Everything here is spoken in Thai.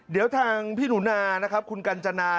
เดี๋ยวทางพี่หนูนานะครับคุณกัญจนา